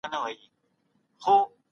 د کور چاپیریال با امنه وساتئ.